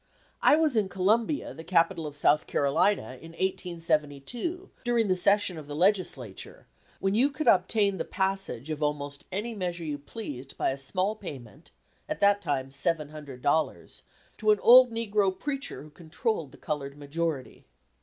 I was in Columbia, the capital of South Carolina, in 1872, during the session of the legislature, when you could obtain the passage of almost any measure you pleased by a small payment at that time seven hundred dollars to an old negro preacher who controlled the coloured majority.